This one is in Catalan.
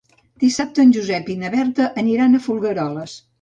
Dissabte en Josep i na Berta aniran a Folgueroles.